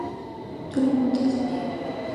特伦托圣母圣殿。